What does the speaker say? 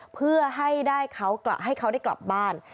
เพื่อให้เขาได้กลับบ้าน